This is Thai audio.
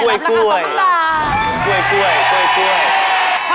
รับราคา๒๐๐๐บาท